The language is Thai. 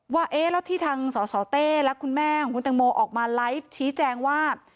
ว่าเอ๊ะแล้วที่ทางสสเต้และคุณแม่ของคุณตังโมออกมาไลฟ์ชี้แจงว่า